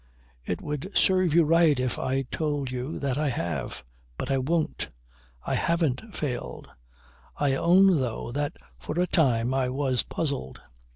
"It would serve you right if I told you that I have. But I won't. I haven't failed. I own though that for a time, I was puzzled.